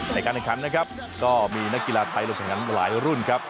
ในการแข่งขันนะครับก็มีนักกีฬาไทยลงแข่งขันหลายรุ่นครับ